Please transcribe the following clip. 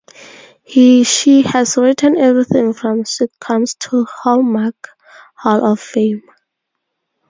She has written everything from sitcoms to Hallmark Hall of Fame.